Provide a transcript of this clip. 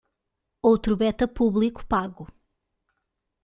Outro beta público pago